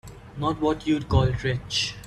Not what you'd call rich.